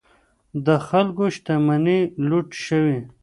د خلکو شتمنۍ لوټ شوې.